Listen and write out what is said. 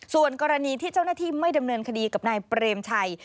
ส่วนกรณีที่เจ้าหน้าที่ไม่ดำเนินคดีกับนายเปรมชัย